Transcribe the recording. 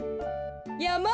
やま！